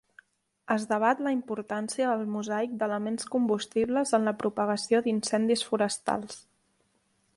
Es debat la importància del mosaic d'elements combustibles en la propagació d'incendis forestals.